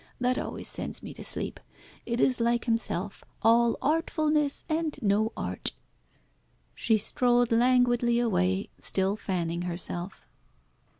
That always sends me to sleep. It is like himself, all artfulness and no art." She strolled languidly away, still fanning herself.